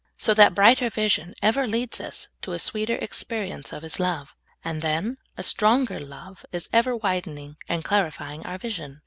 So that a brighter vision ever leads us to a sweeter ex perience of His love, and then a stronger love is ever widening and clarifying our vision.